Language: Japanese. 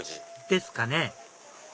ですかね